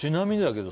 けど